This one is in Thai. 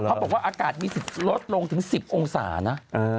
บอกว่าอากาศมีสิทธิ์ลดลงถึง๑๐องศานะ